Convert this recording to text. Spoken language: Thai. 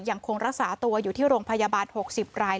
ยังคงรักษาตัวอยู่ที่โรงพยาบาล๖๐ราย